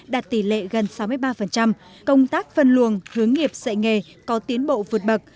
đạt tỷ lệ gần sáu mươi ba công tác phân luồng hướng nghiệp dạy nghề có tiến bộ vượt bậc